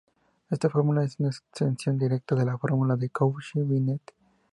Esta fórmula es una extensión directa de la fórmula de Cauchy–Binet.